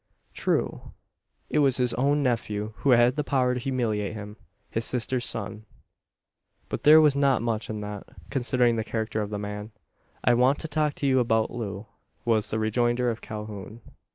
True, it was his own nephew, who had the power to humiliate him his sister's son. But there was not much in that, considering the character of the man. "I want to talk to you about Loo," was the rejoinder of Calhoun.